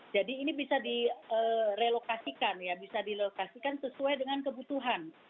jadi ini bisa direlokasikan ya bisa direlokasikan sesuai dengan kebutuhan